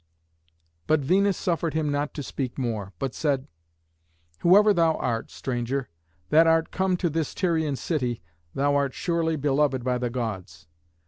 But Venus suffered him not to speak more, but said, "Whoever thou art, stranger, that art come to this Tyrian city, thou art surely beloved by the Gods.